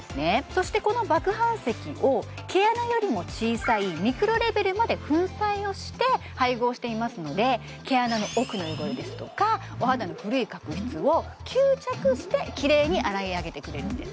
そしてこの麦飯石を毛穴よりも小さいミクロレベルまで粉砕をして配合していますので毛穴の奥の汚れですとかお肌の古い角質を吸着してキレイに洗い上げてくれるんです